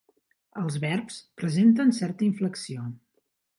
Els verbs presenten certa inflexió.